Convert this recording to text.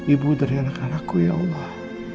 ibu dari anak anakku ya allah